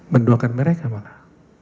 mendoakan mereka malah